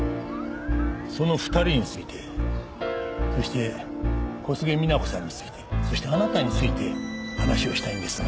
その２人についてそして小菅みな子さんについてそしてあなたについて話をしたいんですが。